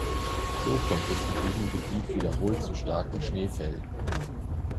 So kommt es in diesem Gebiet wiederholt zu starken Schneefällen.